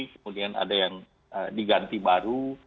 kemudian ada yang diganti baru